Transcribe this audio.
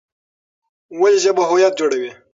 ولې ژبه هویت جوړوي؟